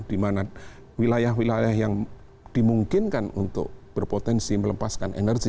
di mana wilayah wilayah yang dimungkinkan untuk berpotensi melepaskan energi